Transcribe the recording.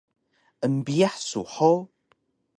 embiyax su hug!